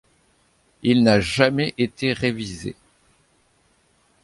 Il n'a jamais été révisé.